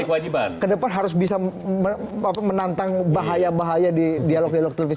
maka beliau bilang ke depan harus bisa menantang bahaya bahaya di dialognya dulu